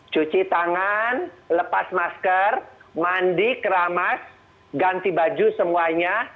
cuci tangan lepas masker mandi keramas ganti baju semuanya